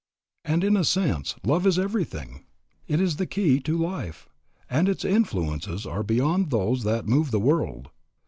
And in a sense love is everything. It is the key to life, and its influences are those that move the world.